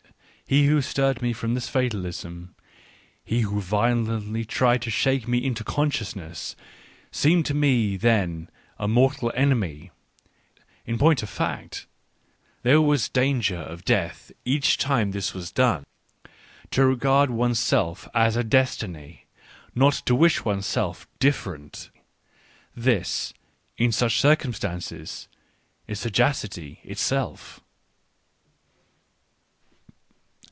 ... He who stirred me from this fatalism, he who violently tried to shake me into consciousness, seemed to me then a mortal enemy — in point of fact, there was danger of death each time this was done. To regard one's self as a destiny, not to wish one's self " differ ent" — this, in such circumstances, is sagacity^ itself.